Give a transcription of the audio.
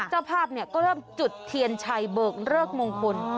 เจ้าภาพก็เริ่มจุดเทียนชัยเบิกเลิกมงคล